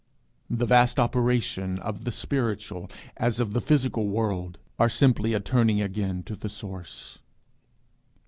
'" The vast operations of the spiritual as of the physical world, are simply a turning again to the source.